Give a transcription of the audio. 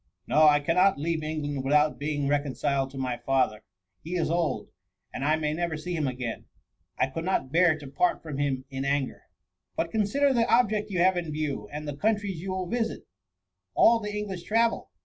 No ! I cannot leave England without being reconciled to my father : he is old, and I may never see him again ; I could not bear to part from him in anger." •* But consider the object you have in view ; and the countries you will visit : all the English travel.